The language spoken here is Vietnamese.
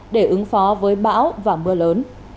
để ứng phó với bão và mưa lớn